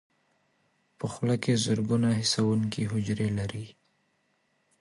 په خوله کې زرګونه حسونکي حجرې لري.